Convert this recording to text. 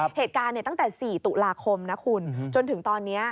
เหตุการณ์ตั้งแต่๔ตุลาคมนะคุณจนถึงตอนนี้